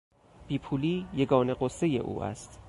بیپولی یگانه غصهی او است.